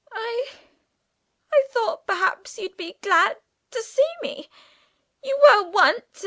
"I I thought perhaps you'd be glad to see me. You were once.